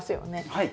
はい。